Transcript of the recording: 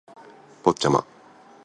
ポッチャマ